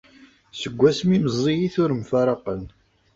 Seg wasmi i meẓẓiyit ur mfaraqen.